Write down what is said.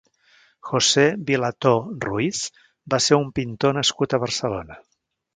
José Vilató Ruiz va ser un pintor nascut a Barcelona.